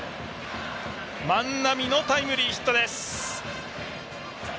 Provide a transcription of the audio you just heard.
万波のタイムリーヒットです。